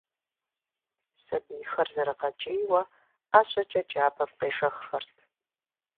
Сэбийхэр зэрыгъэкӏийуэ ӏэжьэкӏэ джабэм къежэххэрт.